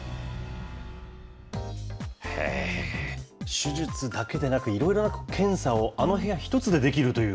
手術だけでなく、いろいろな検査をあの部屋１つでできるという。